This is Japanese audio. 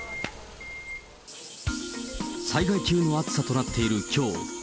災害級の暑さとなっているきょう。